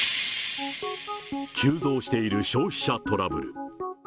急増している消費者トラブル。